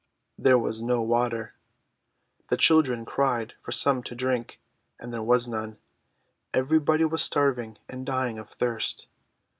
There was no water. The children cried for some to drink, and there was none. Every body was starving and dying of thirst.